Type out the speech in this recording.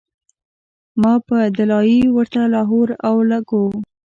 ما پۀ “دلائي” ورته لاهور او لګوو